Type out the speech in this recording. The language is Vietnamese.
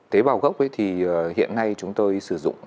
tế bào gốc thì hiện nay chúng tôi sử dụng